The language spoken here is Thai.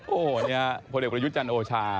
ลุงก็มาหาไปนู่นพ่อเด็กปรยุทธจันทร์โอชา